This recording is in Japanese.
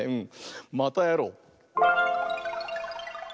またやろう！